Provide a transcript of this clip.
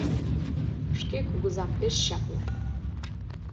Шке кугызам пеш чапле.